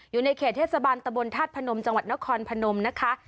อยู่ในเขตเทศบาลตะบนธาตุพนมจังหวัดนครพนมนะคะ